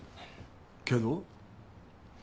けど？